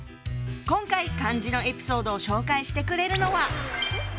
今回漢字のエピソードを紹介してくれるのは。